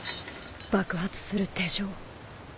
爆発する手錠。